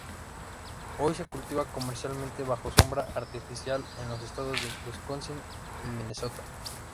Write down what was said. Hoy se cultiva comercialmente, bajo sombra artificial, en los estados de Wisconsin y Minnesota.